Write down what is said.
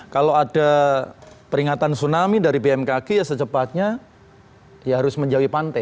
kalau ada peringatan tsunami dari bmkg ya secepatnya ya harus menjauhi pantai